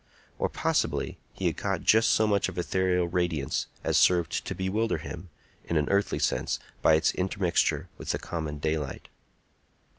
Or possibly he had caught just so much of ethereal radiance as served to bewilder him, in an earthly sense, by its intermixture with the common daylight.